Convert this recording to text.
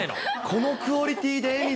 このクオリティーで。